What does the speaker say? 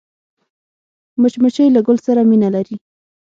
مچمچۍ له ګل سره مینه لري